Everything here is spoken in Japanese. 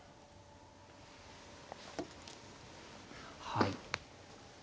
はい。